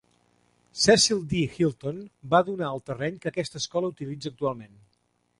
Cecil D. Hylton va donar el terreny que aquesta escola utilitza actualment.